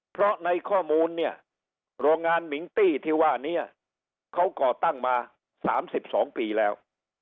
เพราะในข้อมูลเนี่ยโรงงานมิงตี้ที่ว่านี้เขาก่อตั้งมา๓๒ปีแล้ว